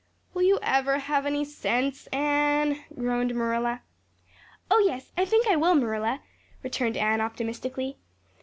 "Will you ever have any sense, Anne?" groaned Marilla. "Oh, yes, I think I will, Marilla," returned Anne optimistically.